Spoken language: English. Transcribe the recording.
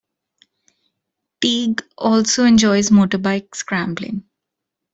Teague also enjoys motorbike scrambling.